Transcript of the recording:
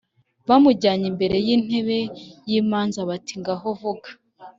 bamujyana imbere y intebe y imanza bati ngaho vuga